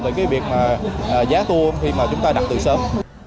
từ cái việc giá tour khi mà chúng ta đặt từ sớm